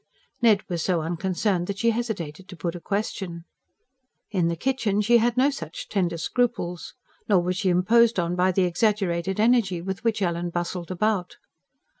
Ned was so unconcerned that she hesitated to put a question. In the kitchen she had no such tender scruples; nor was she imposed on by the exaggerated energy with which Ellen bustled about.